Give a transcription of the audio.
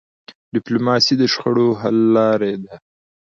ډيپلوماسي د شخړو حل لاره ده.